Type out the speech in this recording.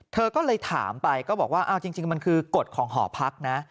เธอก็เลยถามไปก็บอกว่าเอาจริงมันคือกฎของหอพักนะ